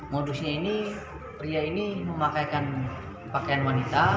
modusnya ini pria ini memakaikan pakaian wanita